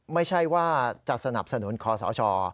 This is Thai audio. ไม่ใช่ว่าจะสนับสนุนคอสช